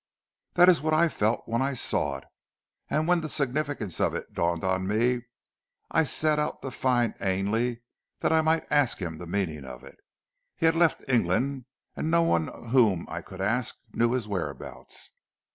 "That is what I felt when I saw it, and when the significance of it dawned on me, I set out to find Ainley that I might ask him the meaning of it. He had left England, and no one whom I could ask knew his whereabouts.